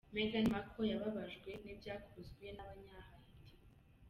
Meghan Markle yababajwe n’ibyakozwe n’abanya Haiti.